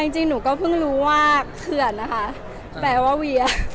จริงหนูก็เพิ่งรู้ว่าเขื่อนนะคะแปลว่าเวีย